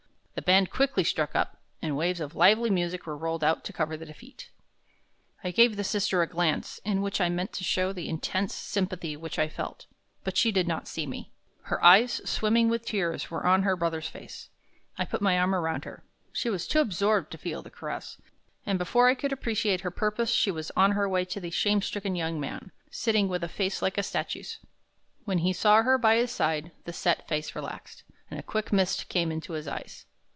The band quickly struck up, and waves of lively music were rolled out to cover the defeat. I gave the sister a glance in which I meant to show the intense sympathy which I felt, but she did not see. Her eyes, swimming with tears, were on her brother's face. I put my arm around her. She was too absorbed to feel the caress, and before I could appreciate her purpose she was on her way to the shame stricken young man, sitting with a face like a statue's. When he saw her by his side, the set face relaxed, and a quick mist came into his eyes.